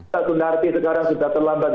pak sunarti sekarang sudah terlambat